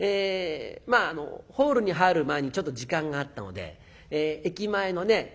ホールに入る前にちょっと時間があったので駅前のね